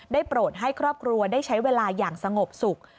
โปรดให้ครอบครัวได้ใช้เวลาอย่างสงบสุข